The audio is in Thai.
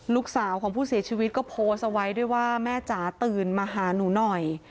ลูกสาวของผู้เสียชีวิตก็โพสต์เอาไว้ด้วยว่าแม่จ๋าตื่นมาหาหนูหน่อย